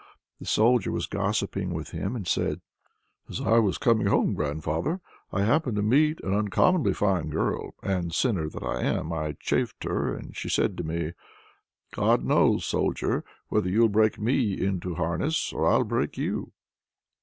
The Soldier was gossiping with him, and said: "As I was coming home, grandfather, I happened to meet an uncommonly fine girl, and, sinner that I am, I chaffed her, and she said to me: "'God knows, soldier, whether you'll break me in to harness, or I'll break you.'"